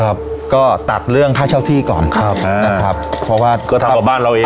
ครับก็ตัดเรื่องค่าเช่าที่ก่อนครับอ่านะครับเพราะว่าก็ทำกับบ้านเราเอง